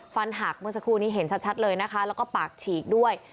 หักเมื่อสักครู่นี้เห็นชัดเลยนะคะแล้วก็ปากฉีกด้วย